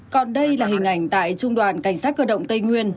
còn đây là hình ảnh tại trung đoàn cảnh sát cơ động tây nguyên